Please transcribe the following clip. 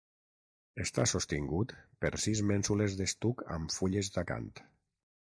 Està sostingut per sis mènsules d'estuc amb fulles d'acant.